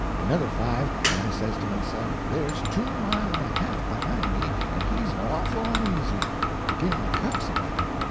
Another five, and I says to myself, there's two mile and a half behind me, and he's awful uneasy—beginning to cuss, I reckon.